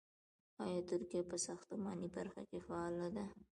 آیا ترکیه په ساختماني برخه کې فعاله ده؟